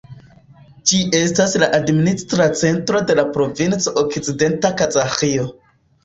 Ĝi estas la administra centro de la provinco Okcidenta Kazaĥio.